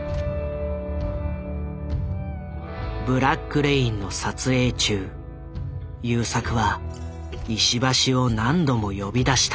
「ブラック・レイン」の撮影中優作は石橋を何度も呼び出した。